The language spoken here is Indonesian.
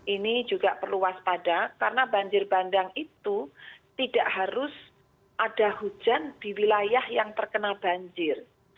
ini juga perlu waspada karena banjir bandang itu tidak harus ada hujan di wilayah yang terkena banjir